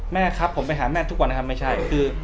แม่ครับผมไปหาแม่ทุกวันนะครับไม่ใช่คือ